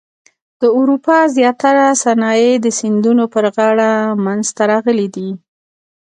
د اروپا زیاتره صنایع د سیندونو پر غاړه منځته راغلي دي.